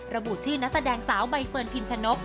ระบุชื่อนักแสดงสาวใบเฟิร์นพิมชนก